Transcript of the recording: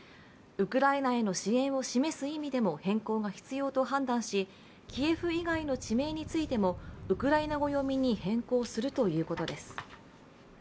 ウクライナへの支援を示す意味でも変更が必要と判断しキエフ以外の地名についてもウクライナ語読みに変更するということです。